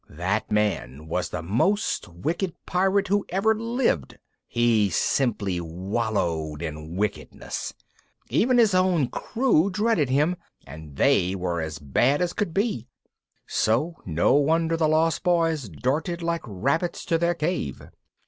That man was the most wicked pirate who ever lived! He simply wallowed in wickedness! Even his own crew dreaded him; and they were as bad as could be! So no wonder the Lost Boys darted like rabbits to their cave.